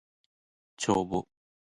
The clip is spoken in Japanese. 帳簿